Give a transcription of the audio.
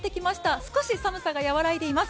少し寒さが和らいでいます。